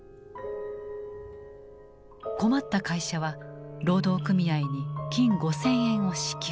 困った会社は労働組合に金５，０００円を支給。